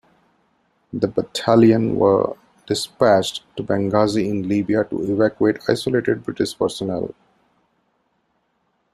The battalion were dispatched to Benghazi in Libya to evacuate isolated British personnel.